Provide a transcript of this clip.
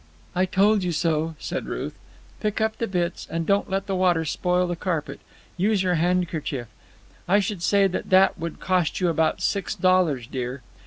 "I told you so," said Ruth. "Pick up the bits, and don't let the water spoil the carpet. Use your handkerchief. I should say that that would cost you about six dollars, dear.